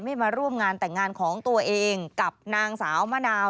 มาร่วมงานแต่งงานของตัวเองกับนางสาวมะนาว